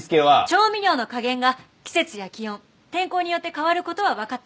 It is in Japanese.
調味料の加減が季節や気温天候によって変わる事はわかっています。